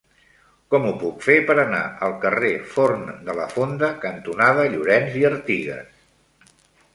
Com ho puc fer per anar al carrer Forn de la Fonda cantonada Llorens i Artigas?